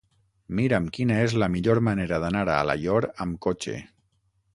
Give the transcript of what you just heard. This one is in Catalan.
Mira'm quina és la millor manera d'anar a Alaior amb cotxe.